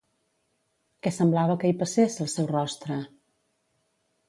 Què semblava que hi passés, al seu rostre?